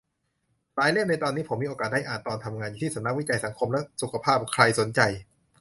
หลายเล่มในนี้ผมมีโอกาสได้อ่านตอนทำงานอยู่ที่สำนักวิจัยสังคมและสุขภาพ ใครสนใจ